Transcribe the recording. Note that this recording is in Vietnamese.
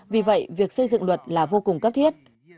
vì vậy việc xây dựng luật là vô cùng cấp thiết